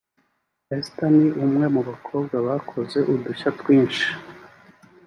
Esther ni umwe mu bakobwa bakoze udushya twinshi